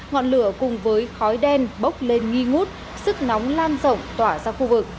ngọn lửa cùng với khói đen bốc lên nghi ngút sức nóng lan rộng tỏa ra khu vực